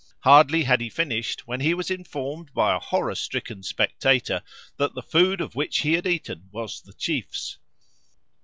Hardly had he finished when he was informed by a horror stricken spectator that the food of which he had eaten was the chief's.